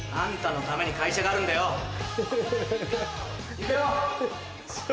行くよ！